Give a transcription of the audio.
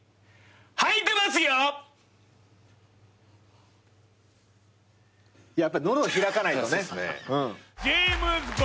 はいてますよ！やっぱ喉開かないとね。